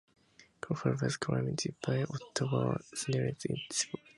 Crawford was claimed by the Ottawa Senators in a dispersal draft.